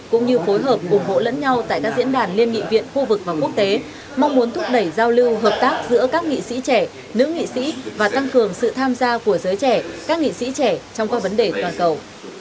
cũng như phối hợp ủng hộ lẫn nhau tại các diễn đàn liên nghị viện khu vực và quốc tế mong muốn thúc đẩy giao lưu hợp tác giữa các nghị sĩ trẻ nữ nghị sĩ và tăng cường sự tham gia của giới trẻ các nghị sĩ trẻ trong các vấn đề toàn cầu